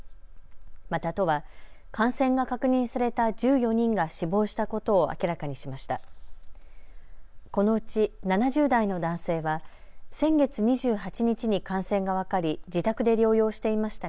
また都は感染が確認された１４人が死亡したことを明らかにしました。